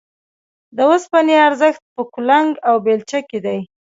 د اوسپنې ارزښت په کلنګ او بېلچه کې دی